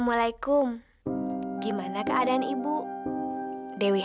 tapi kamu masih sudah dikepung